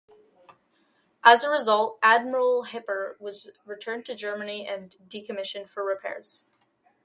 As a result, "Admiral Hipper" was returned to Germany and decommissioned for repairs.